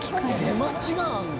出待ちがあるの！？